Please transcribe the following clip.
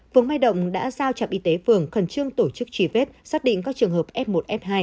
phường mai động đã giao trạm y tế phường khẩn trương tổ chức truy vết xác định các trường hợp f một f hai